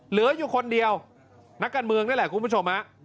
เหลืออยู่คนเดียวนักการเมืองนั่นแหละคุณผู้ชมฮะ